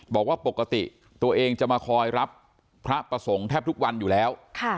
บอกว่าปกติตัวเองจะมาคอยรับพระประสงค์แทบทุกวันอยู่แล้ว